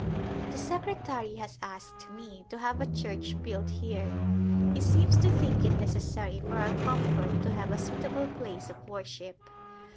The secretary has asked me to have a church built here. He seems to think it necessary for our com fort to have a suitable place of worship.